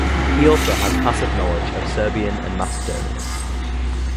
He has also passive knowledge of Serbian and Macedonian.